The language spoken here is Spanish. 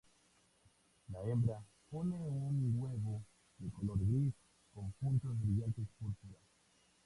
La hembra pone un huevo de color gris con puntos brillantes púrpura.